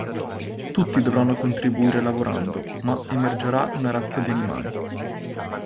Tutti dovranno contribuire lavorando ma emergerà una razza di animali.